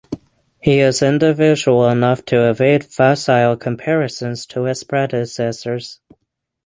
He is individual enough to evade facile comparisons to his predecessors.